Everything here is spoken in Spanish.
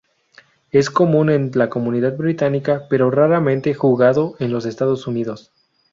Es común en la Comunidad Británica pero raramente jugado en los Estados Unidos.